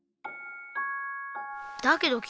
だけど君。